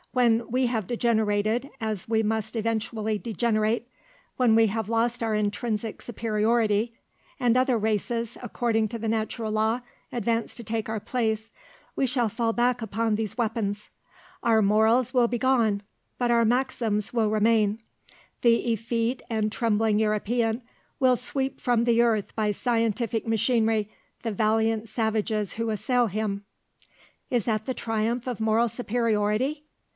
When we have degenerated, as we must eventually degenerate, when we have lost our intrinsic superiority, and other races, according to the natural law, advance to take our place, we shall fall back upon these weapons. Our morals will be gone, but our Maxims will remain. The effete and trembling European will sweep from the earth by scientific machinery the valiant savages who assail him." "Is that the triumph of moral superiority?"